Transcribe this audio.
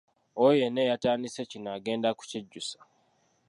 Oyo yenna eyatandise kino agenda kukyejjusa.